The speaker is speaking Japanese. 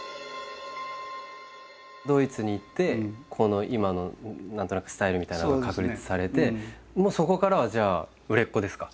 ドイツに行ってこの今の何となくスタイルみたいなものが確立されてもうそこからはじゃあ売れっ子ですか？